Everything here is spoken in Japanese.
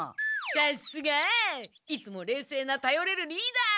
さっすがいつも冷静なたよれるリーダー！